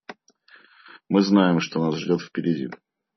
Мы знаем, что нас ждет впереди.